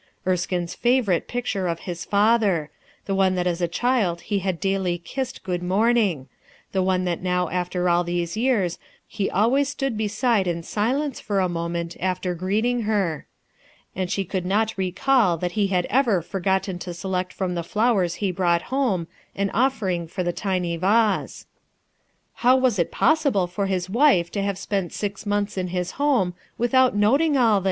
Erskme's favorite picture of his father; 156 RUTH ERSKINE'S SON the one that as a child he had daily kissed p morning; the one that now after all these y e he always stood beside in silence for a mom after greet ing her. And she could not recall 1 1 * he had ever forgotten to select from th c flow ho brought, home, an offering for the tiny v .^ IIow was it possible for his wife to havo * r ,, '"Pent six months in Iiis home without noting all thi?